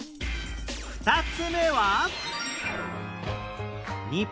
２つ目は